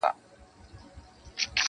• په میوند پسې دې خان و مان را ووت ..